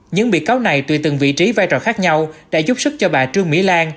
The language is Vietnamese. những bị cáo này tùy từng vị trí vai trò khác nhau đã giúp sức cho bà trương mỹ lan